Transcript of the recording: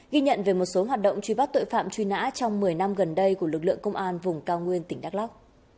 ghi nhận về một số hoạt động truy bắt tội phạm truy nã trong một mươi năm gần đây của lực lượng công an vùng cao nguyên tỉnh đắk lắc